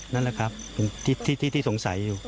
นั่นแหละครับเป็นที่สงสัยอยู่